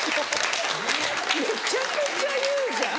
めちゃくちゃ言うじゃん。